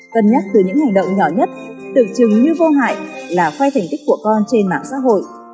cân nhắc từ những hành động nhỏ nhất tưởng chừng như vô hại là vai thành tích của con trên mạng xã hội